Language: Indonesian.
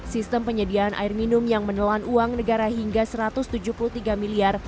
sistem penyediaan air minum yang menelan uang negara hingga rp satu ratus tujuh puluh tiga miliar